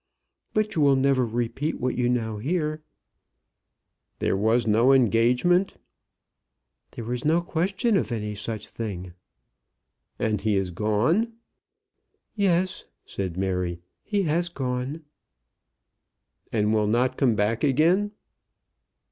But you will never repeat what you now hear." "There was no engagement?" "There was no question of any such thing." "And he is gone?" "Yes," said Mary; "he has gone." "And will not come back again?"